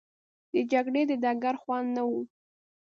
د جګړې د ډګر خوند نه وو.